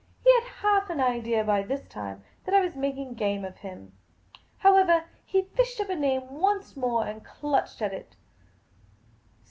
He had half an idea by this time that I was making game of him. However, he fished up a name once more, and clutched at it.